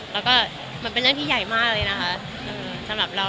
แล้วก็มันเป็นเรื่องที่ใหญ่มากเลยนะคะสำหรับเรา